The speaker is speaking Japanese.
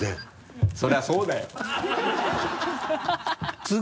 そりゃそうだよ